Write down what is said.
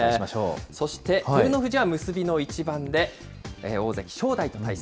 そして照ノ富士は結びの一番で大関・正代と対戦。